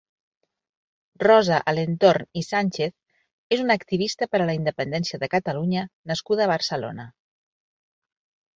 Rosa Alentorn i Sànchez és una activista per a la independència de Catalunya nascuda a Barcelona.